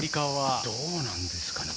どうなんですかね？